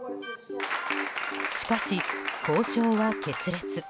しかし、交渉は決裂。